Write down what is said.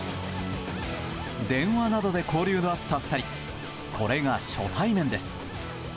電話などで交流のあった２人これが初対面です。